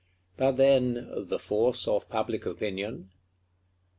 But then "the force of public opinion"?